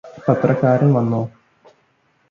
പത്രക്കാരൻ വന്നോ